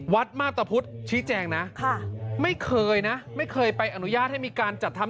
มาตรพุทธชี้แจงนะค่ะไม่เคยนะไม่เคยไปอนุญาตให้มีการจัดทำ